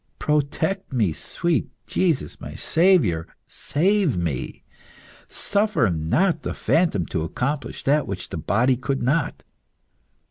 Protect me, sweet Jesus! My Saviour, save me! Suffer not the phantom to accomplish that which the body could not.